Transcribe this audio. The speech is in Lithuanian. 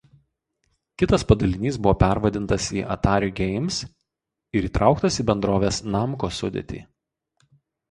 Kitas padalinys buvo pervadintas į „Atari Games“ ir įtrauktas į bendrovės „Namco“ sudėtį.